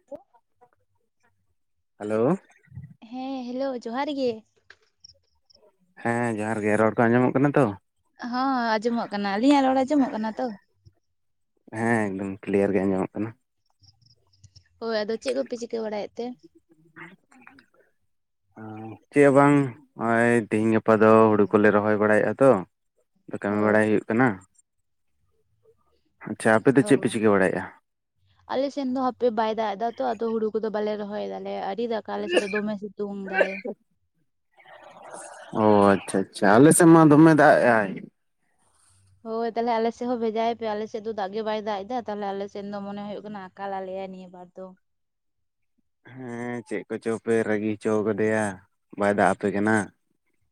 [unintelligible] Hello ᱦᱮᱸ hello ᱡᱚᱦᱟᱨ ᱜᱮ ᱦᱮᱸ ᱡᱚᱦᱟᱨ ᱜᱮ ᱨᱚᱲ ᱠᱚ ᱟᱸᱡᱚᱢᱚᱜ ᱠᱟᱱᱟ ᱛᱚ? ᱦᱚᱸ ᱟᱸᱡᱚᱢᱚᱜ ᱠᱟᱱᱟ ᱟᱹᱞᱤᱧᱟᱜ ᱨᱚᱲ ᱟᱸᱡᱚᱢᱚᱜ ᱠᱟᱱᱟ ᱛᱚ? ᱦᱮᱸ ᱮᱠᱫᱚᱢ ᱠᱞᱤᱭᱟᱨ ᱜᱮ ᱟᱸᱡᱚᱢᱚᱜ ᱠᱟᱱᱟ ᱦᱳᱭ ᱟᱫᱚ ᱪᱮᱫ ᱠᱚᱯᱮ ᱪᱤᱠᱟᱹ ᱵᱟᱲᱟᱭᱮᱫ ᱛᱮ? [unintelligible] ᱪᱮ ᱵᱟᱝ ᱚᱜ-ᱚᱭ ᱛᱮᱦᱮᱧ ᱜᱟᱯᱟ ᱫᱚ ᱦᱩᱲᱩ ᱠᱚᱞᱮ ᱨᱚᱦᱚᱭ ᱵᱟᱲᱟᱭᱮᱜ-ᱟ ᱛᱚ ᱠᱟᱹᱢᱤ ᱦᱳᱭ ᱵᱟᱲᱟᱭ ᱦᱩᱭᱩᱜ ᱠᱟᱱᱟ ᱟᱪᱪᱷᱟ ᱟᱯᱮ ᱫᱚ ᱚ ᱪᱮᱫ ᱯᱮ ᱪᱤᱠᱟᱹ ᱵᱟᱲᱟᱭ ᱮᱜ-ᱟ? ᱟᱞᱮ ᱥᱮᱱ ᱫᱚ ᱦᱟᱯᱮ ᱵᱟᱭ ᱫᱟᱜ ᱮᱫᱟ ᱛᱚ ᱟᱫᱚ ᱦᱩᱲᱩ ᱠᱚᱫᱚ ᱵᱟᱞᱮ ᱨᱚᱦᱚᱭ ᱫᱟᱞᱮ ᱟᱹᱣᱨᱤ ᱫᱟᱜᱽ ᱠᱟ ᱟᱞᱮ ᱥᱮᱫ ᱫᱚ ᱫᱚᱢᱮ ᱥᱤᱛᱩᱝ ᱫᱟᱭ ᱚ ᱟᱪᱪᱷᱟ ᱟᱪᱪᱷᱟ ᱟᱞᱮ ᱥᱮᱫ ᱢᱟ ᱫᱚᱢᱮ ᱫᱟᱜᱽ ᱮᱜᱟᱭ᱾ ᱦᱳᱭ ᱛᱟᱦᱚᱞᱮ ᱟᱞᱮᱥᱮᱫ ᱦᱚᱸ ᱵᱷᱮᱡᱟᱭᱮ ᱯᱮ ᱟᱞᱮ ᱥᱮᱫ ᱫᱚ ᱫᱟᱜᱽ ᱜᱮ ᱵᱟᱭ ᱫᱟᱜᱽ ᱮᱫᱟ ᱛᱟᱦᱚᱞᱮ ᱟᱞᱮ ᱥᱮᱱ ᱫᱚ ᱢᱚᱱᱮ ᱦᱩᱭᱩᱜ ᱠᱟᱱᱟ ᱟᱠᱟᱞ ᱟᱞᱮᱭᱟᱭ ᱱᱤᱭᱟᱹ ᱦᱮᱸᱛᱚ ᱦᱩᱸ ᱪᱮᱜ ᱠᱚᱪᱚ ᱯᱮ ᱨᱟᱹᱜᱤ ᱦᱚᱪᱚ ᱠᱟᱫᱮᱭᱟ ᱵᱟᱭ ᱫᱟᱜᱽ ᱟᱯᱮ ᱠᱟᱱᱟ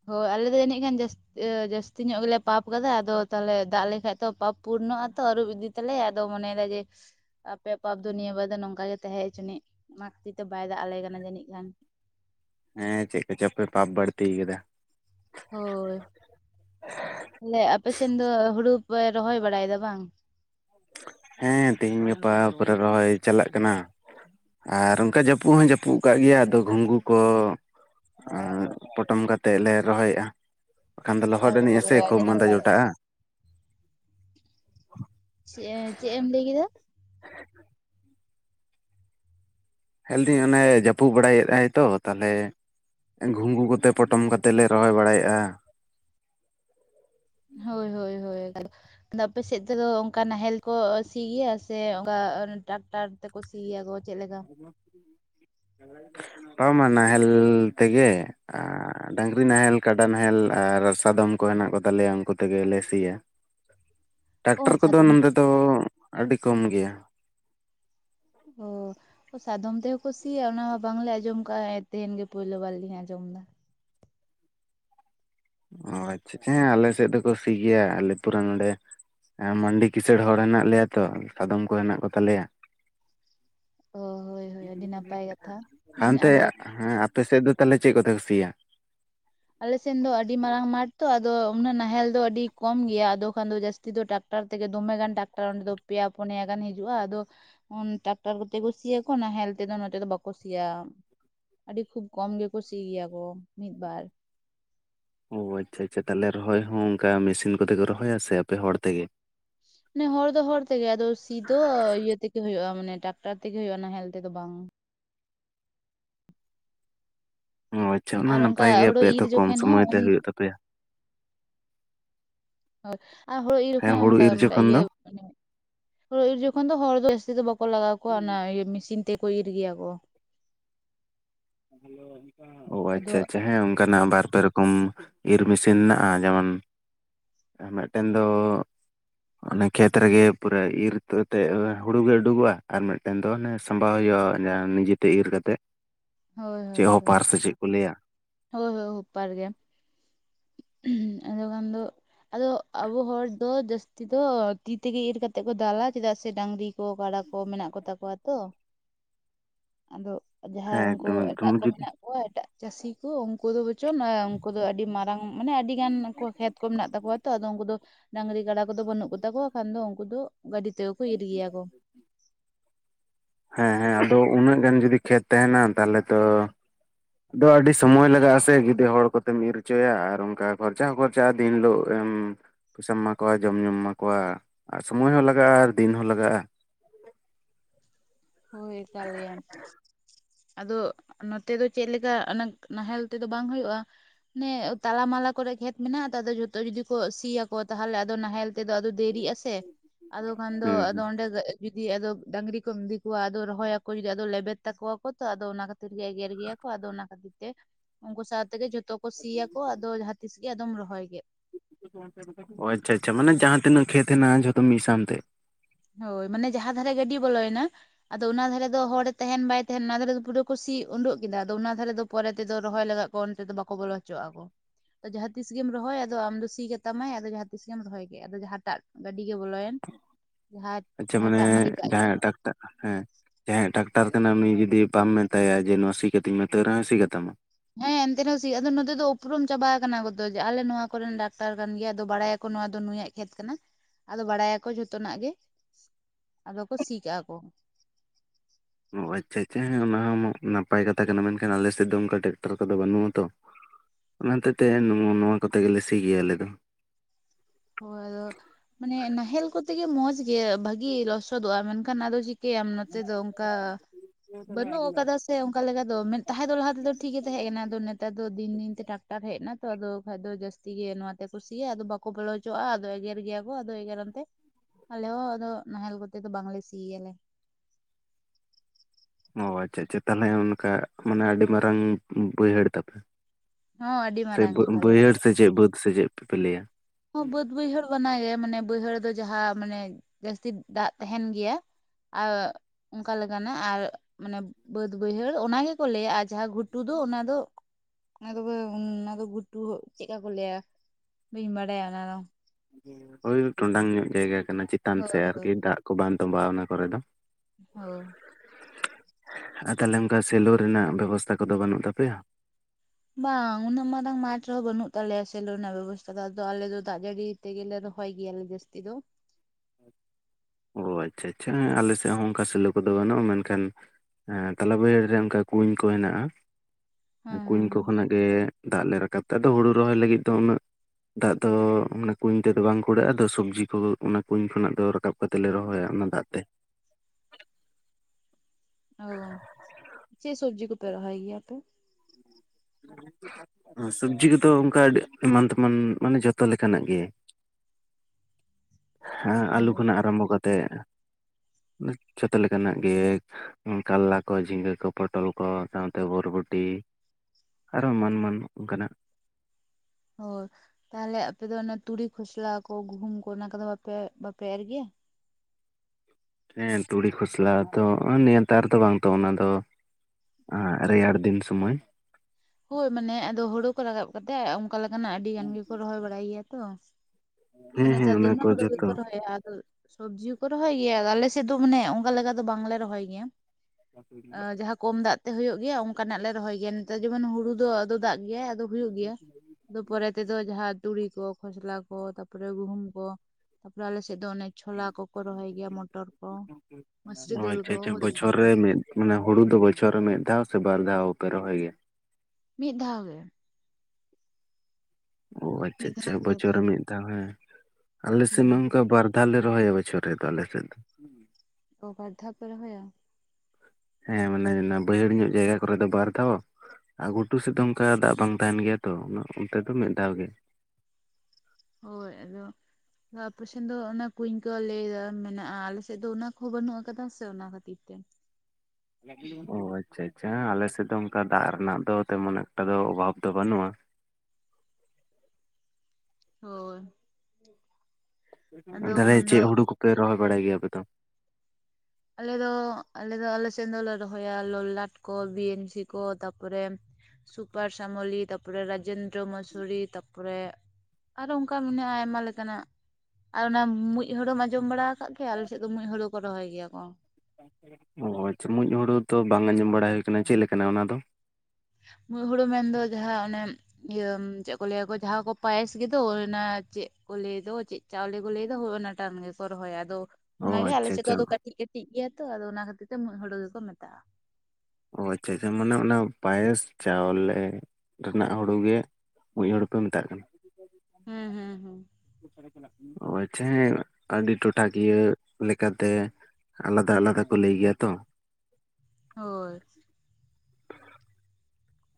ᱦᱳᱭ ᱟᱞᱮ ᱫᱚ ᱡᱟᱹᱱᱤᱡ ᱠᱷᱟᱱ ᱡᱟᱹᱥ ᱤᱭᱟᱹ ᱡᱟᱹᱥᱛᱤ ᱧᱚᱜ ᱜᱮᱞᱮ ᱯᱟᱯ ᱠᱟᱫᱟ ᱟᱫᱚ ᱛᱟᱦᱚᱞᱮ ᱫᱟᱜᱽ ᱞᱮᱠᱷᱟᱡ ᱛᱚ ᱯᱟᱯ ᱯᱩᱨᱱᱚᱜ ᱟ ᱛᱚ ᱟᱹᱨᱩ ᱛᱟᱞᱦᱮ ᱟᱫᱚ ᱢᱚᱱᱮᱫᱟ ᱡᱮ ᱟᱯᱮᱭᱟᱜ ᱯᱟᱯ ᱫᱚ ᱱᱤᱭᱟᱹ ᱵᱟᱨ ᱫᱚ ᱱᱚᱝᱠᱟ ᱜᱮ ᱛᱟᱦᱮᱸᱜ ᱪᱩᱱᱤᱜ ᱚᱱᱟ ᱠᱷᱟᱹᱛᱤᱨ ᱛᱮ ᱵᱟᱭ ᱫᱟᱜᱽ ᱟᱞᱮ ᱠᱟᱱᱟ ᱡᱟᱹᱱᱤᱡ ᱠᱷᱟᱱ ᱦᱮᱸ ᱪᱮᱜ ᱠᱚᱪᱚᱝ ᱯᱮ ᱯᱟᱯ ᱵᱟᱹᱲᱛᱤ ᱠᱟᱫᱟ ᱦᱳᱭ ᱱᱮ ᱟᱯᱮᱥᱮᱱ ᱫᱚ ᱦᱩᱲᱩ ᱯᱮ ᱨᱚᱦᱚᱭ ᱵᱟᱲᱟᱭᱮᱫᱟ ᱵᱟᱝ? ᱦᱮᱸ ᱛᱮᱦᱮᱧ ᱜᱟᱯᱟ ᱯᱚᱨᱮ ᱨᱚᱦᱚᱭ ᱪᱟᱞᱟᱜ ᱠᱟᱱᱟ ᱟᱨ ᱚᱱᱠᱟ ᱡᱟᱹᱯᱩᱜ ᱦᱚᱭ ᱡᱟᱹᱯᱩᱜ ᱠᱟᱜ ᱜᱮᱭᱟ ᱟᱫᱚ ᱜᱩᱝᱜᱩ ᱠᱚ ᱟᱨ ᱯᱚᱴᱚᱢ ᱠᱟᱛᱮᱜ ᱞᱮ ᱨᱚᱦᱚᱭᱮᱫᱼᱟ ᱵᱟᱠᱷᱟᱱ ᱫᱚ ᱞᱚᱦᱚᱫ ᱟᱹᱱᱤᱡ ᱟ ᱥᱮ ᱚ ᱟᱹᱰᱤ ᱠᱷᱩᱵ ᱢᱟᱸᱫᱟ ᱱᱟᱯᱟᱭ ᱡᱚᱴᱟᱜᱼᱟ ᱠᱟᱛᱷᱟ ᱾ ᱪᱮ ᱪᱮᱜ ᱮᱢ ᱞᱟᱹᱭ ᱠᱮᱫᱟ? ᱞᱮᱫᱤᱧ ᱚᱱᱮ ᱡᱟᱹᱯᱩᱜ ᱵᱟᱲᱟᱭᱮᱜᱟᱭ ᱛᱚ ᱛᱟᱦᱚᱞᱮ ᱜᱷᱝᱜᱩ ᱠᱚᱛᱮ ᱯᱚᱴᱚᱢ ᱠᱟᱛᱮᱜ ᱞᱮ ᱨᱚᱦᱚᱭ ᱵᱟᱲᱟᱭᱮᱜᱼᱟ ᱾ ᱦᱳᱭ ᱦᱳᱭ ᱦᱳᱭ ᱾ ᱟᱫᱚ ᱟᱯᱮ ᱥᱮᱫ ᱛᱮᱫᱚ ᱚᱱᱠᱟ ᱱᱟᱦᱮᱞ ᱠᱚ ᱥᱤ ᱜᱮᱭᱟ ᱥᱮ ᱚᱱᱠᱟ ᱴᱟᱠᱴᱟᱨ? ᱛᱮᱠᱩ ᱥᱤ ᱜᱮᱭᱟᱠᱚ ᱪᱮᱫ ᱞᱮᱠᱟ? ᱵᱟᱝ ᱢᱟ ᱱᱟᱦᱮᱞ ᱛᱮᱜᱮ ᱟᱨ ᱰᱟᱝᱨᱤ ᱱᱟᱦᱮᱞ, ᱠᱟᱰᱟ ᱱᱟᱦᱮᱞ ᱟᱨ ᱥᱟᱫᱚᱢ ᱠᱚ ᱦᱮᱱᱟᱜ ᱠᱚ ᱛᱟᱞᱮᱭᱟ ᱩᱱᱠᱩ ᱛᱮᱜᱮᱞᱮ ᱥᱤᱭᱟ‌᱾ ᱚ ᱴᱟᱠᱴᱟᱨ ᱠᱚᱫᱚ ᱥᱟᱫᱚᱢ ᱱᱚᱸᱰᱮ ᱫᱚ ᱟᱹᱰᱤ ᱠᱚᱢ ᱜᱮᱭᱟ ᱾ ᱚ ᱥᱟᱫᱚᱢ ᱛᱮᱦᱚᱸ ᱠᱩ ᱥᱤᱭᱟ ᱚᱱᱟ ᱦᱚᱸ ᱵᱟᱝᱞᱮ ᱟᱸᱡᱚᱢ ᱠᱟᱜᱼᱟ ᱮ ᱛᱮᱦᱮᱧ ᱜᱮ ᱯᱳᱭᱞᱳ ᱵᱟᱨ ᱞᱤᱧ ᱟᱸᱡᱚᱢ ᱫᱟ ᱚ ᱟᱪᱪᱷᱟ ᱦᱮᱸ ᱟᱞᱮ ᱥᱮᱫ ᱫᱚᱠᱚ ᱥᱤ ᱜᱮᱭᱟ ᱟᱞᱮ ᱯᱩᱨᱟ ᱱᱚᱰᱮ ᱦᱮᱸ ᱢᱟᱱᱰᱤ ᱠᱤᱥᱟᱹᱲ ᱦᱚᱲ ᱦᱮᱱᱟᱜ ᱞᱮᱭᱟ ᱛᱚ ᱥᱟᱫᱚᱢ ᱠᱚ ᱦᱮᱱᱟᱜ ᱠᱚ ᱛᱟᱞᱮᱭᱟ ᱚ ᱦᱳᱭ ᱦᱳᱭ ᱟᱹᱰᱤ ᱱᱟᱯᱟᱭ ᱠᱟᱛᱷᱟ ᱾ ᱦᱟᱱᱛᱮ ᱟᱫᱚ ᱟᱯᱮ ᱥᱮᱫ ᱫᱚ ᱛᱟᱞᱦᱮ ᱪᱮᱫ ᱠᱚ ᱛᱮᱯᱮ ᱥᱤᱭᱟ? ᱟᱞᱮᱥᱮᱱ ᱫᱚ ᱟᱹᱰᱤ ᱢᱟᱨᱟᱝ ᱢᱟᱴᱷ ᱛᱚ ᱟᱫᱚ ᱩᱱᱟᱹ ᱱᱟᱦᱮᱞ ᱫᱚ ᱟᱹᱰᱤ ᱠᱚᱢ ᱜᱮᱭᱟ ᱟᱫᱚ ᱠᱷᱟᱱ ᱫᱚ ᱡᱟᱹᱥᱛᱤ ᱫᱚ ᱴᱨᱟᱠᱴᱟᱨ ᱛᱮᱜᱮ ᱫᱚᱢᱮ ᱜᱟᱱ ᱴᱨᱟᱠᱴᱟᱨ ᱚᱸᱰᱮ ᱫᱚ ᱯᱮᱭᱟ ᱯᱚᱱᱭᱟ ᱜᱟᱱ ᱦᱤᱡᱩᱜᱼᱟ ᱟᱫᱚ ᱚᱱᱟ ᱴᱟᱠᱴᱟᱨ ᱠᱚᱛᱮ ᱠᱚ ᱥᱤᱭᱟ ᱠᱚ ᱱᱟᱦᱮᱞ ᱛᱮᱫᱚ ᱱᱚᱛᱮ ᱫᱚ ᱵᱟᱠᱚ ᱥᱤᱭᱟ ᱾ ᱟᱹᱰᱤ ᱠᱷᱩᱵ ᱠᱚᱢ ᱜᱮᱠᱚ ᱥᱤ ᱜᱮᱭᱟ ᱠᱚ ᱢᱤᱫ ᱵᱟᱨ᱾ ᱚ ᱟᱪᱪᱷᱟ ᱟᱪᱪᱷᱟ, ᱛᱟᱦᱞᱮ ᱨᱚᱦᱚᱭ ᱦᱚᱸ ᱚᱝᱠᱟ ᱢᱮᱥᱤᱱ ᱠᱚᱛᱮ ᱠᱚ ᱨᱚᱦᱚᱭᱟ ᱥᱮ ᱟᱯᱮ ᱦᱚᱲ ᱛᱮᱜᱮ? ᱢᱟᱱᱮ ᱦᱚᱲ ᱫᱚ ᱦᱚᱲ ᱛᱮᱜᱮ ᱟᱫᱚ ᱥᱤ ᱫᱚ ᱤᱭᱟᱹ ᱛᱮᱜᱮ ᱦᱳᱭᱳᱜ-ᱟ ᱢᱟᱱᱮ ᱴᱟᱠᱴᱟᱨ ᱛᱮᱜᱮ ᱦᱳᱭᱳᱜ-ᱟ ᱱᱟᱦᱮᱞ ᱛᱮᱫᱚ ᱵᱟᱝ᱾ ᱚ ᱟᱪᱪᱷᱟ ᱚᱱᱟ ᱟᱨ ᱚᱱᱠᱟ ᱱᱟᱯᱟᱭ ᱜᱮ ᱦᱳᱲᱳ ᱟᱯᱮᱭᱟᱜ ᱤᱨ ᱫᱚ ᱠᱚᱢ ᱡᱚᱠᱷᱮᱱ ᱦᱚᱸ ᱥᱩᱢᱟᱹᱭ ᱛᱮ ᱩᱱ ᱦᱳᱭᱳᱜ‌ ᱛᱟᱯᱮᱭᱟ᱾ ᱦᱳᱭ ᱟ ᱦᱳᱲᱳ ᱤᱨ ᱦᱮᱸ ᱠᱷᱚᱡ ᱦᱩᱲᱩ ᱦᱚᱜᱚᱝᱠᱟ ᱤᱨ ᱡᱚᱠᱷᱚᱱ ᱤᱭᱟᱹ ᱫᱚ? ᱦᱩᱲᱩ ᱤᱨ ᱡᱚᱠᱷᱚᱱ ᱫᱚ ᱦᱚᱲ ᱫᱚ ᱡᱟᱹᱥᱛᱤ ᱵᱟᱠ ᱠᱚ ᱞᱟᱜᱟᱣ ᱠᱚᱣᱟ ᱚᱱᱟ ᱤᱭᱟᱹ ᱢᱤᱥᱤᱱ ᱛᱮᱠᱚ ᱤᱨ ᱜᱮᱭᱟ ᱠᱚ᱾ ᱚ ᱟᱫᱚ ᱟᱪᱪᱷᱟ ᱟᱪᱪᱷᱟ ᱦᱮᱸ ᱚᱱᱠᱟᱱᱟᱜ ᱵᱟᱨ ᱯᱮ ᱨᱚ ᱠᱚᱢ ᱤᱨ ᱢᱮᱥᱤᱱ ᱦᱮᱱᱟᱜ-ᱟ, ᱡᱮᱢᱚᱱ ᱢᱮᱜ ᱴᱮᱱ ᱫᱚ ᱚᱱᱮ ᱠᱷᱮᱛ ᱨᱮᱜᱮ ᱯᱩᱨᱟᱹ ᱤᱨ ᱛᱤ ᱛᱮ ᱩᱣᱟᱹ ᱦᱩᱲᱩ ᱜᱮ ᱩᱰᱩᱠᱚᱜ-ᱟ, ᱟᱨ ᱢᱤᱜᱴᱮᱱ ᱫᱚ ᱚᱱᱮ ᱥᱟᱢᱟᱣ ᱦᱩᱭᱩᱜ-ᱟ, ᱚᱧᱟ ᱱᱤᱡᱮᱛᱮ ᱤᱨ ᱠᱟᱛᱜ᱾ ᱦᱳᱭ ᱦᱳᱭ ᱪᱮᱜ ᱦᱳᱭ ᱦᱚᱸᱯᱟᱨ ᱥᱮ ᱪᱮᱜ ᱠᱚ ᱞᱟᱹᱭᱟ᱾ ᱦᱳᱭ ᱦᱳᱭ ᱦᱚᱯᱟᱨ ᱜᱮ᱾ ᱟᱫᱚ ᱜᱟᱱ ᱫᱚ ᱟᱫᱚ ᱟᱵᱚ ᱦᱚᱲ ᱫᱚ ᱡᱟᱹᱥᱛᱤ ᱫᱚ ᱛᱤ ᱛᱮᱜᱮ ᱤᱨ ᱠᱟᱛᱮᱜ ᱠᱚ ᱫᱟᱞᱟ ᱪᱮᱫᱟᱜ ᱥᱮ ᱰᱟᱝᱨᱤ ᱠᱚ ᱠᱟᱰᱟ ᱠᱚ ᱢᱮᱱᱟᱜ ᱠᱚᱛᱟ ᱠᱚᱣᱟ ᱛᱚ᱾ [inaudible] ᱟᱫᱚ ᱦᱮᱸ ᱡᱟᱦᱟᱸᱭ ᱩᱱᱠᱩ ᱮᱠᱫᱚᱢ ᱮᱠᱫᱚᱢ ᱮᱴᱟᱜ ᱠᱚ ᱡᱩᱫᱤ ᱢᱮᱱᱟᱜ ᱦᱚ ᱮᱴᱟᱜ ᱪᱟᱹᱥᱤ ᱠᱚ ᱩᱱᱠᱩ ᱫᱚ ᱵᱚᱪᱚᱱ ᱩᱱᱠᱩ ᱫᱚ ᱟᱹᱰᱤ ᱢᱟᱨᱟᱝ ᱢᱟᱱᱮ ᱟᱹᱰᱤ ᱜᱟᱱ ᱩᱱᱠᱩᱣᱟᱜ ᱠᱷᱮᱛ ᱠᱚ ᱢᱮᱱᱟᱜ ᱛᱟᱠᱚᱣᱟ ᱛᱚ ᱟᱫᱚ ᱩᱱᱠᱩ ᱫᱚ ᱰᱟᱝᱨᱤ ᱜᱟᱰᱟ ᱠᱚᱫᱚ ᱵᱟᱹᱱᱩᱜ ᱠᱚᱛᱟ ᱠᱚᱣᱟ ᱠᱷᱟᱱ ᱫᱚ ᱩᱱᱠᱩ ᱫᱚ ᱜᱟᱹᱰᱤ ᱛᱮᱜᱮ ᱠᱚ ᱤᱨ ᱜᱮᱭᱟ ᱠᱚ᱾ ᱦᱮᱸ ᱦᱮᱸ ᱟᱫᱚ ᱩᱱᱟᱹᱜ ᱜᱟᱱ ᱡᱩᱫᱤ ᱠᱷᱮᱛ ᱛᱟᱦᱮᱱᱟ ᱛᱟᱦᱞᱮ ᱛᱚ ᱫᱚ ᱟᱹᱰᱤ ᱥᱚᱢᱚᱭ ᱞᱟᱜᱟᱜ-ᱟ ᱥᱮ ᱜᱤᱫᱟᱹ ᱦᱚᱲ ᱠᱚᱛᱮᱢ ᱤᱨ ᱦᱚᱪᱚᱭᱟ ᱟᱨ ᱚᱱᱠᱟ ᱠᱷᱚᱨᱪᱟ ᱦᱚᱸ ᱠᱷᱚᱨᱪᱟᱜ-ᱟ ᱫᱤᱱ ᱦᱤᱞᱳᱜ ᱮᱢ ᱯᱚᱭᱥᱟᱢ ᱮᱢᱟ ᱠᱚᱣᱟ ᱡᱚᱢ ᱧᱩᱢ ᱮᱢᱟ ᱠᱚᱣᱟ ᱟᱨ ᱥᱩᱢᱚᱭ ᱦᱚᱸ ᱞᱟᱜᱟᱜ-ᱟ ᱟᱨ ᱫᱤᱱ ᱦᱚᱸ ᱞᱟᱜᱟᱜ-ᱟ᱾ ᱦᱳᱭ ᱮᱠᱟᱞ ᱜᱮᱭᱟᱢ᱾ ᱟᱫᱚ ᱱᱚᱛᱮ ᱫᱚ ᱪᱮᱜ ᱞᱮᱠᱟ ᱟᱹᱱᱟᱠ ᱱᱟᱦᱮᱞ ᱛᱮᱫᱚ ᱵᱟᱝ ᱦᱚᱭᱚᱜ-ᱟ᱾ ᱮ ᱛᱟᱞᱟ ᱢᱟᱞᱟ ᱠᱚᱨᱮ ᱠᱷᱮᱛ ᱢᱮᱱᱟᱜ-ᱟ ᱛᱚ ᱟᱫᱚ ᱡᱷᱚᱛᱚ ᱡᱩᱫᱤ ᱠᱚ ᱥᱤᱭᱟᱠᱚ ᱛᱟᱦᱚᱞᱮ ᱟᱫᱚ ᱱᱟᱦᱮᱞ ᱛ ᱫᱚ ᱟᱫᱚ ᱫᱮᱨᱤᱜ-ᱟ ᱥᱮ, ᱟᱫᱚ ᱠᱷᱟᱱ ᱫᱚ ᱦᱩᱸ ᱟᱫᱚ ᱦᱩᱸ ᱚᱸᱰᱮ ᱫᱚ ᱮᱡᱩᱫᱤ ᱟᱫᱚ ᱰᱟᱝᱨᱤ ᱠᱚ ᱠᱩᱣᱟ ᱟᱫᱚ ᱨᱚᱦᱚᱭᱟᱠᱚ ᱡᱩᱫᱤ ᱟᱫᱚ ᱞᱮᱵᱮᱫ ᱛᱟᱠᱚ ᱣᱟᱠᱚ ᱛᱚ ᱟᱫᱚ ᱚᱱᱟ ᱠᱷᱟᱹᱛᱤᱨ ᱜᱮ ᱮᱜᱮᱨ ᱜᱮᱭᱟ ᱠᱚ᱾ ᱟᱫᱚ ᱚᱱᱟ ᱠᱷᱟᱹᱛᱤᱨ ᱛᱮ ᱩᱱᱠᱩ ᱥᱟᱶᱛᱮᱜᱮ ᱡᱷᱚᱛᱚ ᱠᱚ ᱥᱤᱭᱟᱠᱚ ᱟᱫᱚ ᱡᱟᱦᱟ ᱛᱤᱥ ᱜᱮ ᱟᱫᱚᱢ ᱨᱚᱦᱚᱭ ᱠᱮᱜ᱾ ᱚ ᱟᱪᱪᱷᱟ ᱟᱪᱪᱷᱟ ᱢᱟᱱᱮ ᱡᱟᱦᱟᱸ ᱛᱤᱱᱟᱹᱜ ᱠᱷᱮᱛ ᱦᱮᱱᱟᱜ-ᱟ ᱡᱷᱚᱛᱚ ᱢᱤᱜ ᱥᱟᱱᱛᱮ᱾ ᱦᱳᱸᱭ ᱢᱟᱱᱮ ᱡᱟᱦᱟᱸ ᱫᱷᱟᱨᱮ ᱜᱟᱹᱰᱤ ᱵᱚᱞᱚ ᱭᱮᱱᱟ ᱟᱫᱚ ᱚᱱᱟ ᱫᱷᱟᱨᱮ ᱫᱚ ᱦᱚᱲᱮ ᱛᱮᱦᱮᱱ ᱵᱟᱭ ᱛᱮᱦᱮᱱ ᱚᱱᱟ ᱫᱷᱟᱨᱮ ᱫᱚ ᱯᱩᱨᱟᱹᱣ ᱠᱚ ᱥᱤ ᱩᱰᱩᱜ ᱠᱮᱫᱟ᱾ ᱟᱫᱚ ᱚᱱᱟ ᱫᱷᱟᱨᱮ ᱫᱚ ᱯᱚᱨᱮ ᱛᱮ ᱫᱚ ᱨᱚᱦᱚᱭ ᱞᱟᱜᱟᱜ ᱯᱷᱳᱱ ᱛᱮᱫᱚ ᱵᱟᱠᱚ ᱵᱚᱞᱚ ᱦᱚᱪᱚᱣᱟᱜᱟ ᱠᱚ᱾ ᱟᱫᱚ ᱡᱟᱦᱟᱸ ᱛᱤᱥ ᱜᱮᱢ ᱨᱚᱦᱚᱭ ᱟᱫᱚ ᱟᱢ ᱫᱚ ᱥᱤ ᱠᱟᱛᱟᱢᱟᱭ ᱟᱫᱚ ᱡᱟᱦᱟᱸ ᱛᱤᱥ ᱜᱮᱢ ᱨᱚᱦᱚᱭ ᱠᱮᱜ᱾ ᱟᱫᱚ ᱡᱟᱦᱟ ᱴᱟᱜ ᱜᱟᱹᱰᱤ ᱜᱮ ᱵᱚᱞᱚᱭᱮᱱ ᱡᱟᱦᱟᱸ ᱟᱪᱪᱷᱟ ᱢᱟᱱᱮ ᱡᱟᱦᱟᱸᱴᱟᱜ ᱢᱟᱹᱞᱤᱠᱟᱜ ᱜᱮ ᱡᱟᱦᱟᱸᱭᱟᱜ ᱴᱠᱴᱟᱜ ᱦᱮᱸ᱾ ᱡᱟᱦᱟᱸᱭᱟᱜ ᱴᱟᱠᱴᱟᱨ ᱠᱟᱱᱟ ᱩᱱᱤ ᱡᱩᱫᱤ ᱵᱟᱢ ᱢᱮᱛᱟᱭᱟ ᱡᱮ ᱱᱚᱣᱟ ᱥᱤ ᱠᱟᱛᱤᱧ ᱢᱮ ᱛᱟᱹᱣ ᱨᱮᱦᱚᱸᱭ ᱥᱤ ᱠᱟᱛᱟᱢᱟ? ᱦᱮᱸ ᱮᱱᱛᱮ ᱨᱮᱦᱚ ᱥᱤ, ᱟᱫᱚ ᱱᱚᱛᱮ ᱫᱚ ᱩᱯᱨᱩᱢ ᱪᱟᱵᱟ ᱠᱟᱱᱟ ᱠᱚᱫᱚ ᱡᱮ ᱟᱞᱮ ᱱᱚᱣᱟ ᱠᱚᱨᱮᱱ ᱰᱟᱠᱛᱟᱨ ᱠᱟᱱ ᱜᱮᱭᱟ ᱟᱫᱚ ᱵᱟᱲᱟᱭᱟᱠᱚ᱾ ᱱᱚᱣᱟ ᱫᱚ ᱱᱩᱭᱟᱜ ᱠᱷᱮᱛ ᱠᱟᱱᱟ, ᱟᱫᱚ ᱵᱟᱲᱟᱭᱟᱠᱚ ᱡᱷᱚᱛᱚ ᱱᱟᱜ ᱜᱮ, ᱟᱫᱚ ᱠᱚ ᱥᱤ ᱠᱟᱜᱟ ᱠᱚ᱾ ᱚ ᱟᱪᱪᱷᱟ ᱟᱪᱪᱷᱟ ᱦᱮᱸ ᱚᱱᱟ ᱦᱚᱸ ᱢᱚᱜ ᱱᱟᱯᱟᱭ ᱠᱟᱛᱷᱟ ᱠᱟᱱᱟ ᱢᱮᱱᱠᱷᱟᱱ ᱟᱞᱮᱥᱮᱜ ᱫᱚ ᱚᱱᱠᱟ ᱴᱮᱠᱴᱟᱨ ᱠᱚᱫᱚ ᱵᱟᱹᱱᱩᱜ-ᱟ ᱛᱚ᱾ ᱚᱱᱟ ᱦᱚᱛᱮᱡ ᱛᱮ ᱱᱚᱢᱚ ᱱᱚᱣᱟ ᱠᱚᱛᱮ ᱜᱮᱞᱮ ᱥᱤ ᱜᱮᱭᱟ ᱟᱞᱮ ᱫᱚ᱾ ᱦᱳᱭ ᱟᱫᱚ ᱢᱟᱱᱮ ᱱᱟᱦᱮᱞ ᱠᱚ ᱛᱮᱜᱮ ᱢᱚᱸᱡᱽ ᱜᱮ ᱵᱷᱟᱜᱤ ᱞᱚᱥᱚᱫᱚᱜ-ᱟ ᱢᱮᱱ ᱠᱷᱟᱱ ᱟᱫᱚ ᱪᱤ ᱠᱮᱭᱟᱢ ᱱᱚᱛᱮ ᱫᱚ ᱚᱝᱠᱟ ᱵᱟᱹᱱᱩᱜ ᱟᱠᱟᱫᱟ ᱥᱮ ᱚᱝᱠᱟ ᱞᱮᱠᱟ ᱫᱚ ᱢᱮᱱ ᱛᱟᱦᱮᱸ ᱫᱚ ᱞᱟᱦᱟ ᱛᱮᱫᱚ ᱴᱷᱤᱠ ᱜᱮ ᱛᱮᱦᱮᱜ ᱠᱟᱱᱟ ᱟᱫᱚ ᱱᱮᱛ ᱱᱮᱛᱟᱨ ᱫᱚ ᱫᱤᱱ ᱫᱤᱱ ᱛᱮ ᱴᱟᱠᱴᱟᱨ ᱦᱮᱡ ᱮᱱᱟ ᱛᱚ ᱟᱫᱚ ᱠᱷᱟᱱᱡ ᱫᱚ ᱡᱟᱹᱥᱛᱤ ᱜᱮ ᱱᱚᱣᱟᱛᱮ ᱠᱩᱥᱜᱼᱟ ᱟᱫᱚ ᱵᱟᱠᱚ ᱵᱚᱞ ᱪᱚᱜᱼᱟ ᱟᱫᱚ ᱮᱜᱮᱨ ᱜᱮᱭᱟ ᱠᱚ ᱮᱜᱮᱨ ᱟᱠᱚ ᱟᱞᱮ ᱦᱚᱸ ᱟᱫᱚ ᱱᱟᱦᱮᱞ ᱠᱚᱛᱮ ᱫᱚ ᱵᱟᱝᱞᱮ ᱥᱤ ᱜᱮᱭᱟᱞᱮ᱾ ᱚ ᱟᱪᱪᱷᱟ ᱟᱪᱪᱷᱟ ᱛᱟᱦᱚᱞᱮ ᱚᱱᱠᱟ ᱢᱟᱱᱮ ᱟᱹᱰᱤ ᱢᱟᱨᱟᱝ ᱵᱟᱹᱭᱦᱟᱹᱲ ᱛᱟᱯᱮ᱾ ᱦᱚᱸ ᱟᱹᱰᱤ ᱥᱮ ᱢᱟᱨᱟᱝ ᱜᱮᱛᱟᱞᱮ ᱵᱟᱹᱭᱦᱟᱹᱲ ᱥᱮ ᱪᱮᱫ ᱵᱟᱹᱫᱽ ᱥᱮ ᱪᱮᱫ ᱯᱮ ᱞᱟᱹᱭᱟ? ᱵᱟᱹᱫᱽ ᱵᱟᱹᱭᱦᱟᱹᱲ ᱚᱱᱟ ᱜᱮ ᱢᱟᱱᱮ ᱵᱟᱹᱭᱦᱟᱹᱲ ᱫᱚ ᱡᱟᱦᱟᱸ ᱢᱟᱱᱮ ᱡᱟᱹᱥᱛᱤ ᱫᱟᱜ ᱛᱟᱦᱮᱱ ᱜᱮᱭᱟ᱾ ᱟᱨ ᱚᱱᱠᱟ ᱞᱮᱠᱟᱱᱟᱜ ᱟᱨᱼᱼ ᱢᱟᱱᱮ ᱵᱟᱹᱫᱽ ᱵᱹᱭᱦᱮᱹᱲ ᱚᱱᱟ ᱜᱮᱠᱚ ᱞᱟᱹᱭᱟ ᱟᱨ ᱡᱟᱦᱟᱸ ᱜᱷᱩᱴᱩ ᱫᱚ ᱚᱱᱟ ᱫᱚᱼᱼ ᱚᱱᱟ ᱫᱚ ᱚᱱᱟ ᱫᱚ ᱜᱷᱩᱴᱩ ᱪᱮᱫᱠᱟ ᱠᱚ ᱞᱟᱹᱭᱟ ᱵᱟᱹᱧ ᱵᱟᱲᱟᱭᱟ ᱚᱱᱟ ᱫᱚ᱾ ᱳᱭ ᱴᱚᱸᱰᱟᱝ ᱧᱚᱜ ᱡᱟᱭᱜᱟ ᱠᱟᱱᱟ ᱪᱮᱛᱟᱱ ᱦᱳᱭ ᱥᱮᱫ ᱦᱳᱭ ᱟᱨᱠᱤ ᱫᱟᱜ ᱠᱚ ᱵᱟᱝ ᱛᱚᱸᱵᱟᱜᱼᱟ ᱚᱱᱟ ᱠᱚᱨᱮ ᱫᱚ᱾ ᱦᱳᱭ᱾ ᱟᱨ ᱛᱟᱦᱚᱞᱮ ᱚᱱᱠᱟ ᱥᱮᱞᱚ ᱨᱮᱱᱟᱜ ᱵᱮᱵᱚᱥᱛᱷᱟ ᱠᱚᱫᱚ ᱵᱟᱹᱱᱩᱜ ᱛᱟᱯᱮᱭᱟ? ᱵᱟᱝ ᱩᱱᱟᱹᱜ ᱢᱟᱨᱟᱝ ᱢᱟᱴᱷ ᱨᱮᱦᱚᱸ ᱵᱟᱹᱱᱩᱜ ᱛᱟᱞᱮᱭᱟ ᱥᱮᱞᱚ ᱨᱮᱱᱟᱜ ᱵᱮᱵᱚᱥᱛᱷᱟ ᱫᱚ ᱟᱫᱚ ᱟᱞᱮᱚ ᱫᱟᱜ ᱡᱟᱹᱲᱤᱼᱼ ᱛᱮᱜᱮ ᱞᱮ ᱨᱚᱦᱚᱣ ᱜᱮᱭᱟ ᱞᱮ ᱡᱟᱥᱛᱤ ᱫᱚ᱾ ᱚ ᱟᱪᱪᱷᱟ ᱟᱪᱪᱷᱟ ᱟᱞᱮᱥᱮᱫ ᱦᱚᱸ ᱚᱱᱠᱟ ᱥᱮᱞᱳ ᱠᱚᱫᱚ ᱵᱟᱹᱱᱩᱜᱼᱟ ᱢᱮᱱᱠᱷᱟᱱᱼᱼ ᱦᱮᱸ ᱛᱟᱞᱟ ᱵᱟᱭᱦᱟᱹᱲ ᱨᱮ ᱚᱱᱠᱟ ᱠᱩᱧ ᱠᱚ ᱦᱮᱱᱟᱜᱼᱟ ᱦᱮᱸ ᱠᱩᱧ ᱦᱮᱸ ᱠᱚ ᱦᱮᱸ ᱠᱷᱚᱱᱟᱜ ᱼᱼ ᱜᱮ ᱫᱟᱜ ᱞᱮ ᱨᱟᱠᱟᱵ ᱫᱚ ᱟᱫᱚ ᱦᱩᱲᱩ ᱨᱚᱦᱚᱭ ᱞᱟᱹᱜᱤᱫ ᱫᱚ ᱩᱱᱟᱹᱜᱼᱼ ᱫᱟᱜ ᱫᱚ ᱚᱱᱟ ᱠᱩᱧ ᱛᱮ ᱫᱚ ᱵᱟᱝ ᱠᱩᱲᱟᱹᱜᱼᱟ ᱛᱚ ᱥᱚᱵᱽᱡᱤ ᱠᱚ ᱚᱱᱟ ᱠᱩᱧ ᱠᱷᱚᱱᱟᱜ ᱫᱚ ᱨᱟᱠᱟᱵᱼᱼ ᱠᱟᱛᱮᱞ ᱞᱮ ᱨᱚᱦᱚᱭᱹᱟ ᱚᱱᱟ ᱫᱟᱜ ᱛᱮ᱾ ᱚ ᱪᱮᱫ ᱥᱚᱵᱽᱡᱤ ᱠᱚᱯᱮ ᱨᱚᱦᱚᱭ ᱜᱮ ᱯᱮ? ᱥᱚᱵᱽᱡᱤ ᱠᱚᱫᱚ ᱚᱱᱠᱟ ᱮᱢᱟᱱ ᱛᱮᱢᱟᱱ ᱢᱟᱱᱮ ᱡᱚᱛᱚ ᱞᱮᱠᱟᱱᱟᱜ ᱜᱮ᱾ ᱦᱮᱸ ᱚ ᱟᱞᱩ ᱠᱷᱚᱱᱟᱜ ᱟᱨᱟᱢᱵᱷᱚ ᱠᱟᱛᱮᱫᱼᱼ ᱡᱚᱛᱚ ᱞᱮᱠᱟᱱᱟᱸᱜ ᱜᱮ᱾ ᱠᱟᱨᱞᱟ ᱠᱚ ᱡᱷᱤᱸᱜᱟ ᱠᱚ ᱯᱚᱴᱚᱞ ᱠᱚ ᱥᱟᱶᱛᱮ ᱵᱚᱨᱵᱷᱴᱤ᱾ ᱟᱨᱚ ᱮᱢᱟᱱ ᱮᱢᱟᱱ ᱚᱱᱠᱟᱱᱟᱜ᱾ ᱚ ᱛᱟᱦᱚᱞᱮ ᱟᱯᱮ ᱫᱚ ᱚᱱᱟ ᱛᱩᱲᱤ ᱠᱷᱚᱥᱞᱟ ᱠᱚ ᱜᱩᱦᱩᱢ ᱠᱚ ᱚᱱᱟ ᱠᱚᱫᱚ ᱵᱟᱯᱮ ᱵᱟᱯᱮ ᱮᱨ ᱜᱮᱭᱟ? ᱦᱮᱸ ᱛᱩᱲᱤ ᱠᱷᱚᱥᱞᱟ ᱫᱚ ᱱᱮᱛᱟᱨ ᱫᱚ ᱵᱟᱝ ᱛᱚ ᱚᱱᱟ ᱫᱚᱼᱼ ᱦᱚ ᱨᱮᱭᱟᱲ ᱫᱤᱱ ᱥᱚᱢᱚᱭ᱾ ᱦᱳᱸᱭ ᱢᱟᱱᱮ ᱟᱫᱚ ᱦᱩᱲᱩ ᱠᱚ ᱨᱟᱠᱟᱵ ᱠᱟᱛᱮᱜ ᱚᱱᱠᱟ ᱞᱮᱠᱟᱱᱟᱜ ᱟᱹᱰᱤ ᱜᱟᱱ ᱜᱮᱠᱚ ᱨᱚᱦᱚᱭ ᱵᱟᱲᱟᱭ ᱜᱮᱭᱟ ᱛᱚᱼᱼ ᱦᱮᱸ ᱚᱱᱟ ᱦᱮᱸ ᱡᱟᱫᱤᱱ ᱢᱟ ᱠᱚ ᱦᱩᱲᱩ ᱡᱚᱛᱚ ᱜᱮᱠᱚ ᱨᱚᱦᱚᱭᱼᱟᱫᱚ᱾ ᱥᱚᱵᱽᱡᱤ ᱠᱚ ᱨᱚᱦᱚᱭ ᱜᱮᱭᱟ ᱟᱞᱮᱥᱮᱫ ᱫᱚ ᱢᱟᱱᱮ ᱚᱱᱠᱟ ᱞᱮᱠᱟ ᱫᱚ ᱵᱟᱝᱞᱮ ᱨᱚᱦᱚᱭ ᱜᱮᱭᱟ᱾ ᱚ ᱡᱟᱦᱟᱸ ᱠᱚᱢ ᱫᱟᱜ ᱛᱮ ᱦᱩᱭᱩᱜ ᱜᱮᱭᱟ ᱚᱱᱠᱟᱱᱟᱜ ᱞᱮ ᱨᱚᱦᱚᱭ ᱜᱮᱭᱟ ᱱᱤᱛᱚᱼᱼ ᱡᱮᱢᱚᱱ ᱦᱩᱲᱩ ᱫᱚ ᱟᱫᱚ ᱫᱟᱜ ᱜᱮᱭᱟ ᱟᱫᱚ ᱦᱩᱭᱩᱜ ᱜᱮᱭᱟ᱾ ᱟᱫᱚ ᱯᱚᱨᱮ ᱛᱮᱫᱚ ᱡᱟᱦᱟᱸ ᱛᱩᱲᱤ ᱠᱚ ᱠᱷᱚᱥᱞᱟ ᱠᱚ ᱛᱟᱯᱚᱨᱮᱼᱼ ᱛᱟᱯᱚᱨᱮ ᱜᱩᱦᱩᱢ ᱠᱚ ᱛᱟᱯᱚᱨᱮ ᱟᱞᱮᱥᱮᱫ ᱫᱚ ᱚᱱᱮᱠᱼᱼ ᱪᱷᱚᱞᱟ ᱠᱚᱠᱚ ᱨᱚᱦᱚᱭ ᱜᱮᱭᱟ ᱢᱚᱴᱚᱨ ᱠᱚ ᱢᱟᱥᱨᱤ ᱫᱟ. ᱞ ᱟᱪᱪᱷᱟ ᱠᱚ ᱟᱪᱪᱷᱟ ᱦᱚᱨᱮᱫ ᱵᱚᱪᱷᱚᱨ ᱠᱚᱼᱼ ᱨᱮ ᱢᱤᱫ ᱢᱟᱱᱮ ᱦᱩᱲᱩ ᱫᱚ ᱵᱚᱪᱷᱚᱨ ᱨᱮ ᱢᱤᱫ ᱫᱷᱟᱣ ᱥᱮ ᱵᱟᱨ ᱫᱷᱟᱣ ᱯᱮ ᱨᱚᱦᱚᱭ ᱜᱮᱭᱟ? ᱢᱤᱫ ᱫᱷᱟᱣ ᱜᱮ᱾ ᱚ ᱟᱪᱪᱷᱟ ᱢᱤᱫ ᱟᱪᱪᱷᱟ ᱫᱷᱟᱣ ᱜᱮᱞᱮ ᱵᱚᱪᱷᱚᱨ ᱨᱮ ᱨᱚᱦᱚᱭᱟ ᱢᱤᱫ ᱫᱷᱟᱣ ᱦᱮᱸ ᱟᱞᱮᱥᱮᱫ ᱢᱟ ᱦᱩᱸ ᱚᱱᱠᱟ ᱵᱟᱨ ᱫᱷᱟᱼᱼ ᱵᱟᱞᱮ ᱨᱚᱦᱭᱟ ᱵᱚᱪᱷᱚᱨ ᱨᱮᱫᱚ ᱟᱞᱮ ᱥᱮᱫ ᱫᱚᱼᱼ ᱵᱟᱨ ᱫᱷᱟᱳ ᱯᱮ ᱨᱚᱦᱚᱭᱟ᱾ ᱦᱮᱸ ᱢᱟᱱᱮ ᱵᱟᱹᱭᱦᱟᱹᱲ ᱧᱚᱜ ᱡᱟᱭᱜᱟ ᱠᱚᱨᱮ ᱫᱚ ᱵᱟᱨ ᱫᱷᱟᱣ᱾ ᱟᱨ ᱜᱷᱩᱴᱩ ᱥᱮᱫ ᱫᱚ ᱚᱱᱠᱟ ᱫᱟᱜ ᱵᱟᱝ ᱛᱟᱦᱮᱱ ᱜᱮᱭᱟ ᱛᱚ ᱚᱱᱛᱮ ᱫᱚ ᱢᱤᱫ ᱫᱷᱟᱣ ᱜᱮ᱾ ᱦᱳᱭ ᱟᱫᱚᱼᱼ ᱟᱯᱮ ᱥᱮᱱ ᱫᱚ ᱚᱱᱟ ᱠᱩᱧ ᱠᱚ ᱞᱟ. ᱭ ᱫᱟ ᱢᱮᱱᱟᱜᱼᱟ ᱟᱞᱮᱥᱮᱫ ᱫᱚ ᱚᱱᱟ ᱠᱚᱦᱚᱸ ᱵᱟᱹᱱᱩᱜ ᱟᱠᱟᱫᱟ ᱥᱮ ᱚᱱᱟ ᱠᱷᱟᱹᱛᱤᱨ ᱛᱮᱼᱼ [inaudible] ᱚ ᱟᱪᱪᱷᱟ ᱟᱪᱪᱷᱟ ᱟᱞᱮᱥᱮᱫ ᱫᱚ ᱚᱱᱠᱟ ᱫᱟᱜ ᱨᱮᱱᱟᱜ ᱫᱚ ᱛᱮᱢᱚᱱ ᱮᱠᱴᱟ ᱫᱚ ᱚᱵᱷᱟᱵ ᱫᱚ ᱵᱟᱹᱱᱩᱜᱼᱟ, ᱦᱳᱭ᱾ ᱟ ᱟᱫᱚ ᱛᱟᱦᱚᱞᱮ ᱠᱷᱟᱱ ᱫᱚ ᱪᱮᱫ ᱦᱩᱲᱩ ᱠᱚᱯᱮ ᱨᱚᱦᱚᱭ ᱵᱟᱲᱟᱭ ᱜᱮᱭᱟ ᱟᱯᱮ ᱫᱚ? ᱟᱞᱮ ᱫᱚ ᱟᱞᱮ ᱫᱚ ᱟᱞᱮ ᱥᱮᱫ ᱫᱚᱞᱮ ᱨᱚᱦᱚᱭᱟ ᱞᱚᱞᱟᱴ ᱠᱚ ᱵᱤᱱᱥᱤ ᱠᱚ ᱛᱟᱨᱯᱚᱨᱮ ᱥᱩᱯᱟᱨ ᱥᱟᱢᱚᱞᱤ ᱛᱟᱯᱚᱨᱮ ᱨᱟᱡᱮᱱᱫᱨᱚ ᱢᱚᱥᱩᱨᱤ ᱛᱟ ᱯᱚᱨᱮ ᱟᱨᱚ ᱚᱱᱠᱟ ᱢᱮᱱᱟᱜᱼᱟ ᱟᱭᱢᱟ ᱞᱮᱠᱟᱱᱟᱜ᱾ ᱟᱨ ᱚᱱᱟ ᱢᱩᱸᱡ ᱦᱩᱲᱩᱢ ᱟᱸᱡᱚᱢ ᱵᱟᱲᱟ ᱠᱟᱜ ᱜᱮᱭᱟ ᱟᱞᱮᱥᱮᱫ ᱫᱚ ᱢᱩᱸᱡ ᱦᱩᱲᱩ ᱠᱚ ᱨᱚᱦᱚᱭ ᱜᱮᱭᱟ ᱠᱚ᱾ ᱚ ᱟᱪᱪᱷᱟ ᱢᱩᱡ ᱦᱩᱲᱩ ᱛᱚ ᱵᱟᱝ ᱟᱸᱡᱚᱢ ᱵᱟᱲᱟ ᱦᱩᱭ ᱟᱠᱟᱱᱟ ᱚᱱᱟ ᱪᱮᱫ ᱞᱮᱠᱟᱱᱟ ᱚᱱᱟ ᱫᱚ? ᱢᱩᱡ ᱦᱩᱲᱩ ᱢᱮᱱᱫᱚ ᱡᱟᱦᱟᱸ ᱚᱱᱮ ᱤᱭᱟᱹ ᱪᱮᱫ ᱠᱚ ᱞᱟᱹᱭᱟᱠᱚ ᱡᱟᱦᱟᱸ ᱠᱚ ᱯᱟᱭᱮᱥ ᱜᱮᱫᱚ ᱚᱱᱟ ᱪᱮᱫ ᱠᱚ ᱞᱟᱹᱭᱮᱫ ᱪᱮᱫ ᱪᱟᱣᱞᱮ ᱠᱚ ᱞᱟᱹᱭ ᱫᱚ ᱦ ᱚᱱᱟ ᱴᱟᱝ ᱜᱮᱠᱚ ᱨᱚᱦᱚᱭᱟ, ᱟᱫᱚ ᱚ ᱚᱱᱟᱜᱮ ᱟᱞᱮ ᱟᱪᱪᱷᱟ ᱥᱮᱫ ᱟᱪᱪᱷᱟ ᱫᱚᱫᱚ ᱠᱟᱹᱴᱤᱡ ᱠᱟᱹᱴᱤᱡ ᱜᱮᱭᱟ ᱛᱚ ᱟᱫᱚ ᱚᱱᱟ ᱠᱷᱟᱹᱛᱤᱨ ᱛᱮ ᱢᱩᱡ ᱦᱩᱲᱩ ᱜᱮᱠᱚ ᱢᱮᱛᱟᱜᱼᱟ᱾ ᱚ ᱟᱪᱪᱷᱟ ᱟᱪᱪᱷᱟ ᱢᱟᱱᱮ ᱚᱱᱟ ᱯᱟᱭᱮᱥ ᱪᱟᱣᱞᱮ ᱨᱮᱱᱟᱜ ᱦᱩᱲᱩ ᱜᱮ ᱢᱩᱡ ᱦᱚᱲᱩ ᱯᱮ ᱢᱮᱛᱟᱜ ᱠᱟᱱᱟ᱾ ᱦᱮᱸ ᱦᱮᱸ ᱦᱮᱸ᱾ ᱚ ᱟᱪᱪᱷᱟ ᱦᱮᱸ ᱟᱹᱰᱤ ᱴᱚᱴᱷᱟᱠᱤᱭᱟᱹ ᱞᱮᱠᱟᱛᱮ ᱟᱞᱟᱫᱟ ᱟᱞᱟᱫᱟ ᱠᱚ ᱞᱟᱹᱭ ᱜᱮᱭᱟ ᱛᱚ, ᱦᱳᱭ᱾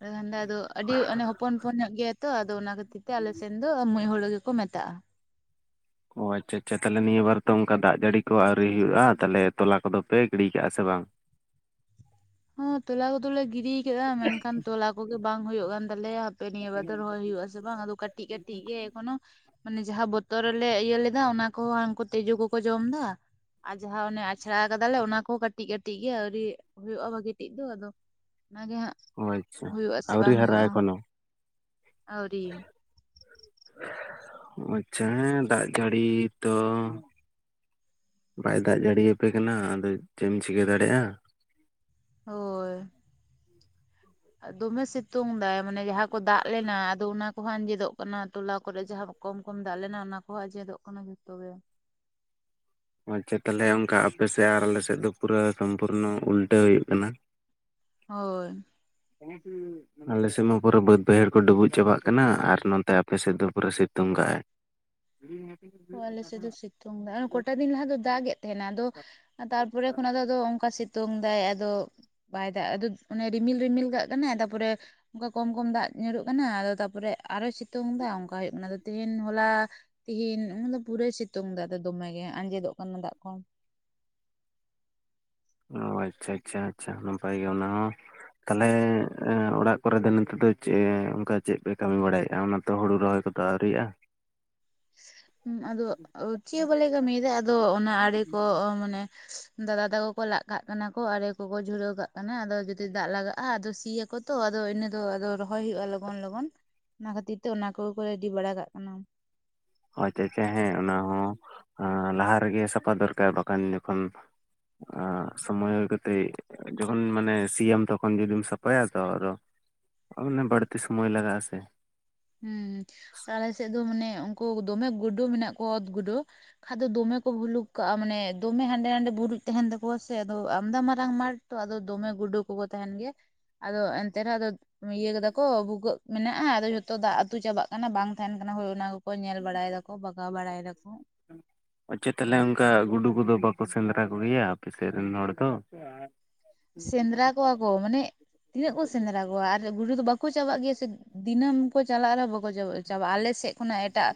ᱠᱷᱟᱱ ᱟᱫᱚ ᱟᱹᱰᱤ ᱚᱱᱮ ᱦᱚᱯᱚᱱ ᱦᱚᱯᱚᱱ ᱧᱚᱜ ᱜᱮᱭᱟ ᱛᱚ ᱟᱫᱚ ᱚᱱᱟ ᱠᱷᱟᱹᱛᱤᱨ ᱛᱮ ᱟᱞᱮ ᱥᱮᱱ ᱫᱚ ᱢᱩᱡ ᱦᱩᱲᱩ ᱜᱮᱠᱚ ᱢᱮᱛᱟᱜᱼᱟ᱾ ᱚ ᱟᱪᱪᱷᱟ ᱟᱪᱪᱷᱟ ᱛᱟᱦᱚᱞᱮ ᱱᱤᱭᱟᱹ ᱵᱟᱨ ᱛᱚ ᱚᱱᱠᱟ ᱫᱟᱜ ᱡᱟᱹᱲᱤ ᱠᱚ ᱟᱹᱣᱨᱤ ᱦᱩᱭᱩᱜᱼᱟ ᱛᱟᱦᱚᱞᱮ ᱛᱚᱞᱟ ᱠᱚᱫᱚ ᱯᱮ ᱜᱤᱰᱤ ᱠᱟᱜᱼᱟ ᱥᱮ ᱵᱟᱝ? [inaudible] ᱦᱚ ᱛᱚᱞᱟ ᱠᱚᱫᱚ ᱞᱮ ᱜᱤᱰᱤ ᱠᱮᱫᱟ ᱢᱮᱱᱠᱷᱟᱱ ᱛᱚᱞᱟ ᱠᱚᱜᱮ ᱵᱟᱝ ᱦᱩᱭᱩᱜ ᱠᱟᱱ ᱛᱟᱞᱮᱭᱟ ᱦᱟᱯᱮ ᱱᱤᱭᱟᱹ ᱵᱟᱨ ᱫᱚ ᱨᱚᱦᱚᱭ ᱦᱩᱭᱩᱜ ᱟᱥᱮ ᱵᱟᱝ ᱟᱫᱚ ᱠᱟᱹᱴᱤᱡ ᱠᱟᱹᱴᱤᱡ ᱜᱮ ᱮᱠᱷᱚᱱᱳ ᱢᱟᱱᱮ ᱡᱟᱦᱟᱸ ᱵᱚᱛᱚᱨ ᱨᱮᱞᱮ ᱤᱭᱟᱹ ᱞᱮᱫᱟ ᱚᱱᱟ ᱠᱚᱦᱚᱸ ᱩᱱᱠᱩ ᱛᱤᱡᱩ ᱠᱚᱠᱚ ᱡᱚᱢ ᱫᱟ, ᱟᱨ ᱡᱟᱦᱟᱸ ᱚᱱᱮ ᱟᱪᱷᱲᱟ ᱠᱟᱫᱟᱞᱮ ᱚᱱᱟ ᱠᱚᱦᱚᱸ ᱠᱟᱹᱴᱤᱡ ᱠᱟᱴᱤᱡ ᱜᱮ ᱟᱹᱣᱨᱤ ᱦᱩᱭᱩᱜᱜᱼᱟ ᱵᱷᱟ ᱜᱤᱴᱤᱡ ᱫᱚ ᱟᱫᱚ ᱚᱱᱟ ᱜᱮ ᱦᱟᱸᱜ ᱚ ᱟᱪᱪᱷᱟ ᱦᱩᱭᱩᱜ ᱟᱥᱮ ᱟᱹᱣᱨᱤ ᱵᱟᱝ ᱦᱟᱨᱟᱜᱼᱟ ᱦᱩᱭᱩᱜᱼᱟ ᱮᱠᱷᱚᱱᱳ ᱟᱣᱨᱤ᱾ ᱟᱪᱪᱷᱟ ᱦᱮᱸ ᱫᱟᱜ ᱡᱟᱹᱲᱤ ᱛᱚ ᱵᱟᱭ ᱫᱟᱜ ᱡᱟᱹᱲᱤᱭᱟ ᱟᱯᱮ ᱠᱟᱱᱟ ᱟᱫᱚ ᱪᱮᱫ ᱮᱢ ᱪᱤᱠᱟᱹ ᱫᱟᱲᱮᱭᱟᱜᱼᱟ? ᱦᱳᱭ᱾ ᱫᱚᱢᱮ ᱥᱤᱛᱩᱝ ᱫᱟᱭ ᱢᱟᱱᱮ ᱡᱟᱦᱟᱸ ᱠᱚ ᱫᱟᱜ ᱞᱮᱱᱟ ᱟᱫᱚ ᱚᱱᱟ ᱠᱚᱦᱚᱸ ᱟᱸᱡᱮᱫᱚᱜ ᱠᱟᱱᱟ ᱛᱚᱞᱟ ᱠᱚᱨᱮ ᱡᱟᱦᱟᱸ ᱠᱚᱢ ᱠᱚᱢ ᱫᱟᱜ ᱞᱮᱱᱟ ᱚᱱᱟ ᱠᱚᱦᱚᱸ ᱟᱡᱮᱫᱚᱜ ᱠᱟᱱᱟ ᱡᱷᱚᱛᱚ ᱜᱮ᱾ ᱟᱪᱪᱷᱟ ᱛᱟᱦᱚᱞᱮ ᱚᱱᱠᱟ ᱟᱯᱮᱥᱮᱫ ᱟᱨ ᱟᱞᱮ ᱥᱮᱫ ᱫᱚ ᱯᱩᱨᱟᱹ ᱥᱚᱢᱯᱩᱨᱱᱚ ᱩᱞᱴᱟᱹ ᱦᱩᱭᱩᱜ ᱠᱟᱱᱟ ᱾ ᱦᱳᱭ᱾ [inaudible] ᱟᱞᱮᱥᱮᱫ ᱢᱟ ᱯᱩᱨᱟᱹ ᱵᱟᱹᱫ ᱵᱟᱹᱭᱦᱟᱹᱲ ᱠᱚ ᱰᱩᱵᱩᱡ ᱪᱟᱵᱟᱜ ᱠᱟᱱᱟ ᱟᱨ ᱱᱚᱛᱮ ᱟᱯᱮ ᱥᱮᱫ ᱫᱚ ᱯᱩᱨᱟᱹ ᱥᱤᱛᱩᱝ ᱠᱟᱜ ᱟᱭ ᱾ [inaudible] ᱚ ᱟᱞᱮ ᱥᱮᱫ ᱫᱚ ᱥᱤᱛᱩᱝ ᱫᱟᱭ, ᱟᱨ ᱴᱟ ᱫᱤᱱ ᱞᱟᱦᱟ ᱫᱚ ᱫᱟᱜ ᱮᱫ ᱛᱟᱦᱮᱸᱱᱟᱭ ᱟᱫᱚ ᱛᱟᱨᱯᱚᱨᱮ ᱠᱷᱚᱱ ᱟᱫᱚ ᱫᱚ ᱚᱝᱠᱟ ᱥᱤᱛᱩᱝ ᱫᱟᱭ ᱟᱫᱚ ᱵᱟᱭ ᱫᱟᱜ ᱟᱫᱚ ᱚᱱᱮ ᱨᱤᱢᱤᱞ ᱨᱤᱢᱤᱞ ᱠᱟᱜ ᱠᱟᱱᱟᱭ ᱛᱟᱯᱚᱨᱮ ᱚᱱᱠᱟ ᱠᱚᱢ ᱠᱚᱢ ᱫᱟᱜ ᱧᱩᱨᱩᱜ ᱠᱟᱱᱟ ᱟᱫᱚ ᱛᱟᱨᱯᱚᱨᱮ ᱟᱨᱚᱭ ᱥᱤᱛᱩᱝ ᱫᱟ ᱚᱱᱠᱟ ᱦᱩᱭᱩᱜ ᱠᱟᱱᱟ ᱟᱫᱚ ᱛᱮᱦᱮᱧ ᱦᱚᱞᱟ ᱛᱤᱦᱤᱧ ᱚᱱᱟ ᱫᱚ ᱯᱩᱨᱟᱹᱭ ᱥᱤᱛᱩᱝ ᱫᱟᱭ ᱟᱫᱚ ᱫᱚᱢᱮ ᱜᱮ ᱟᱸᱡᱮᱫᱚᱜ ᱠᱟᱱᱟ ᱫᱟᱜ ᱠᱚᱦᱚᱸ ᱾ ᱚ ᱟᱪᱪᱷᱟ ᱟᱪᱪᱷᱟ ᱟᱪᱪᱷᱟ ᱱᱟᱯᱟᱭ ᱜᱮ ᱚᱱᱟ ᱦᱚᱸ᱾ ᱛᱟᱦᱚᱞᱮ ᱮᱸ ᱚᱲᱟᱜ ᱠᱚᱨᱮ ᱫᱚ ᱱᱤᱛᱚᱜ ᱫᱚ ᱪᱮᱫ ᱚᱱᱠᱟ ᱪᱮᱫ ᱯᱮ ᱠᱟᱹᱢᱤ ᱵᱟᱲᱟᱭᱮᱫᱼᱟ ᱚᱱᱟᱛᱮ ᱦᱩᱲᱩ ᱨᱚᱦᱚᱭ ᱠᱚᱫᱚ ᱟᱹᱣᱨᱤᱭᱟᱜᱼᱟ ᱾ ᱟᱫᱚ ᱪᱮᱫ ᱦᱚᱸ ᱵᱟᱞᱮ ᱠᱟᱹᱢᱤᱭᱫᱟ ᱟᱫᱚ ᱚᱱᱟ ᱟᱲᱮ ᱠᱚ ᱢᱟᱱᱮ ᱫᱟᱫᱟ ᱛᱟᱠᱚ ᱠᱚ ᱞᱟᱜ ᱠᱟᱜ ᱠᱟᱱᱟ ᱠᱚ, ᱟᱲᱮ ᱠᱚᱠᱚ ᱡᱷᱩᱨᱟᱹᱣ ᱠᱟᱜ ᱠᱟᱱᱟ, ᱟᱫᱚ ᱡᱩᱫᱤ ᱫᱟᱜ ᱞᱟᱜᱟᱜ-ᱟ, ᱟᱫᱚ ᱥᱤᱭᱟ ᱠᱚᱛᱚ ᱟᱫᱚ ᱤᱱᱟᱹ ᱫᱚ ᱟᱫᱚ ᱨᱚᱦᱚᱭ ᱦᱩᱭᱩᱜᱼᱟ ᱞᱚᱜᱚᱱ ᱞᱚᱜᱚᱱ ᱾ ᱚᱱᱟ ᱠᱷᱟᱹᱛᱤᱨ ᱛᱮ ᱚᱱᱟ ᱠᱚ ᱠᱚ ᱨᱮᱰᱤ ᱵᱟᱲᱟ ᱠᱟᱜ ᱠᱟᱱᱟ ᱾ ᱟᱪᱪᱷᱟ ᱟᱪᱪᱷᱟ, ᱦᱮᱸ ᱚᱱᱟ ᱦᱚᱸ ᱞᱟᱦᱟ ᱨᱮᱜᱮ ᱥᱟᱯᱷᱟ ᱫᱚᱨᱠᱟᱨ, ᱵᱟᱠᱷᱟᱱ ᱡᱚᱠᱷᱚᱱ ᱚᱻ ᱥᱚᱢᱚᱭ ᱦᱩᱭ ᱠᱟᱛᱮᱜ ᱡᱚᱠᱷᱚᱱ ᱢᱟᱱᱮ ᱥᱤᱭᱟᱢ ᱛᱚᱠᱷᱚᱱ ᱡᱩᱫᱤᱢ ᱥᱟᱯᱷᱟᱭᱟ ᱛᱚ ᱟᱫᱚ ᱾ ᱢᱟᱱᱮ ᱵᱟᱹᱲᱛᱤ ᱥᱚᱢᱚᱭ ᱞᱟᱜᱟᱜᱼᱟ ᱥᱮ ᱾ ᱦᱩᱸ ᱟᱞᱮ ᱥᱮᱫ ᱫᱚ ᱢᱟᱱᱮ, ᱩᱱᱠᱩ ᱫᱚᱢᱮ ᱜᱩᱰᱩ ᱢᱮᱱᱟᱜ ᱠᱚᱣᱟ ᱚᱛ ᱜᱩᱰᱩ᱾ ᱠᱷᱟᱱ ᱫᱚᱢᱮ ᱠᱚ ᱵᱷᱩᱞᱩᱠ ᱠᱟᱜᱼᱟ ᱢᱟᱱᱮ ᱫᱚᱢᱮ ᱦᱟᱸᱰᱮ ᱱᱟᱰᱮ ᱵᱩᱨᱩᱡᱽ ᱛᱟᱦᱮᱱ ᱛᱟᱠᱚᱣᱟ ᱥᱮ ᱟᱫᱚ ᱟᱢᱫᱟ ᱢᱟᱨᱟᱝ ᱢᱟᱴ ᱛᱚ ᱟᱫᱚ ᱫᱚᱢᱮ ᱜᱩᱰᱩ ᱠᱚᱠᱚ ᱛᱟᱦᱮᱱ ᱜᱮᱭᱟ᱾ ᱟᱫᱚ ᱮᱱᱛᱮ ᱨᱮᱦᱚᱸ ᱟᱫᱚ ᱤᱭᱟᱹ ᱠᱟᱫᱟ ᱠᱚ ᱵᱷᱩᱜᱟᱹᱜ ᱢᱮᱱᱟᱜᱼᱟ, ᱟᱫᱚ ᱡᱚᱛᱚ ᱡᱷᱚᱛᱚ ᱫᱟᱜ ᱟᱹᱛᱩ ᱪᱟᱵᱟᱜ ᱠᱟᱱᱟ, ᱵᱟᱝ ᱛᱟᱦᱮᱱ ᱠᱟᱱᱟ ᱦᱳᱭ ᱚᱱᱟ ᱠᱚᱠᱚ ᱧᱮᱞ ᱵᱟᱲᱟᱭ ᱫᱟᱠᱚ ᱵᱟᱜᱟᱣ ᱵᱟᱲᱟᱭ ᱫᱟᱠᱚ ᱟᱪᱪᱷᱟ ᱛᱟᱦᱚᱞᱮ ᱚᱱᱠᱟ ᱜᱩᱰᱩ ᱠᱚᱫᱚ ᱵᱟᱠᱚ ᱥᱮᱸᱫᱽᱨᱟ ᱠᱚᱜᱮᱭᱟ ᱟᱯᱮ ᱥᱮᱫ ᱨᱮᱱ ᱦᱚᱲ ᱫᱚ ᱥᱮᱸᱫᱽᱨᱟ ᱠᱚᱣᱟ ᱠᱚ ᱢᱟᱱᱮ ᱛᱤᱱᱟᱹᱜ ᱠᱚ ᱥᱮᱸᱫᱽᱨᱟ ᱠᱚᱣᱟ ᱟᱨ ᱜᱩᱰᱩ ᱫᱚ ᱵᱟᱠᱚ ᱪᱟᱵᱟᱜ ᱜᱮᱭᱟ ᱥᱮ ᱫᱤᱱᱟᱹᱢ ᱠᱚ ᱪᱟᱞᱟᱜ ᱨᱮᱦᱚ ᱵᱟᱠᱚ ᱪᱟᱵᱟᱜᱼᱟ ᱟᱞᱮᱥᱮᱫ ᱾ ᱠᱷᱚᱱᱟᱜ ᱮᱴᱟᱜ,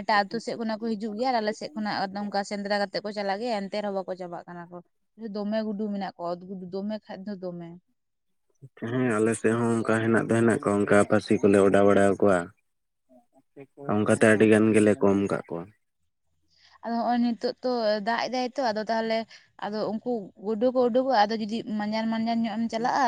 ᱮᱴᱟᱜ ᱟᱹᱛᱩ ᱥᱮᱫ ᱠᱷᱚᱱᱟᱜ ᱠᱚ ᱦᱤᱡᱩᱜ ᱜᱮᱭᱟ, ᱟᱨ ᱟᱞᱮ ᱥᱮᱫ ᱠᱷᱚᱱᱟᱜ ᱱᱚᱝᱠᱟ ᱥᱮᱸᱫᱽᱨᱟ ᱠᱟᱛᱮᱫᱼᱼ ᱛᱮᱜ ᱠᱚ ᱪᱟᱞᱟᱜ ᱜᱮᱭᱟ, ᱮᱱᱛᱮ ᱨᱮᱦᱚᱸ ᱵᱟᱠᱚ ᱪᱟᱵᱟᱜ ᱠᱟᱱᱟ ᱠᱚ, ᱫᱚᱢᱮ ᱜᱩᱰᱩ ᱢᱮᱱᱟᱜ ᱠᱚᱣᱟ ᱚᱛ ᱜᱩᱰᱩ ᱫᱚᱢᱮ ᱠᱷᱟᱡ ᱫᱚ ᱫᱚᱢᱮ ᱦᱮᱸ ᱟᱞᱮᱥᱮᱫ ᱦᱚᱸ ᱚᱱᱠᱟ ᱦᱮᱱᱟᱜ ᱫᱚ ᱦᱮᱱᱟᱜ ᱠᱚᱣᱟ ᱚᱱᱠᱟ ᱯᱟᱹᱥᱤ ᱠᱚᱞᱮ ᱚᱰᱟᱣ ᱵᱟᱲᱟ ᱠᱚᱣᱟ ᱚᱱᱠᱟᱛᱮ ᱟᱹᱰᱤ ᱜᱟᱱ ᱜᱮᱞᱮ ᱠᱚᱢ ᱠᱟᱜ ᱠᱚᱣᱟ ᱾ ᱟᱫᱚ ᱦᱚᱜᱼᱚᱭ ᱱᱤᱛᱳᱜ ᱛᱚ ᱫᱟᱜ ᱮᱫᱟᱭ ᱛᱚ, ᱟᱫᱚ ᱛᱟᱦᱚᱞᱮ ᱟᱫᱚ ᱩᱱᱠᱩ ᱜᱩᱰᱩ ᱠᱚ ᱩᱰᱩᱠᱚᱜ-ᱟ, ᱟᱫᱚ ᱡᱩᱫᱤ ᱢᱟᱡᱟᱱ ᱢᱟᱡᱟᱞ ᱧᱚᱜ ᱮᱢ ᱪᱟᱞᱟᱜᱼᱟ᱾